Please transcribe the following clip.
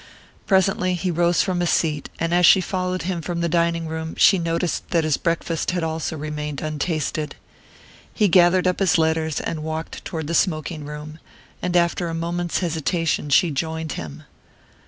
Presently he rose from his seat, and as she followed him from the dining room she noticed that his breakfast had also remained untasted. He gathered up his letters and walked toward the smoking room; and after a moment's hesitation she joined him.